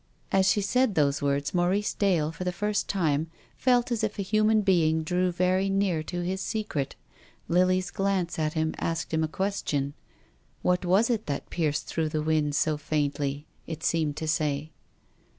As she said those words, Maurice Dale, for the first time, felt as if a human being drew very near to his secret. Lily's glance at him asked him a question. " What was it that pierced through the wind so faintly?" it seemed to say.